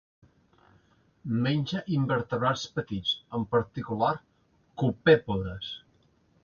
Menja invertebrats petits, en particular copèpodes.